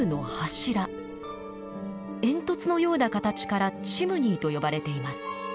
煙突のような形からチムニーと呼ばれています。